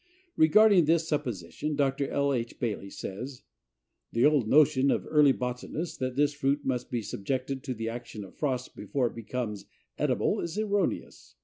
Regarding this supposition Dr. L. H. Bailey says: "The old notion of early botanists that this fruit must be subjected to the action of frost before it becomes edible is erroneous.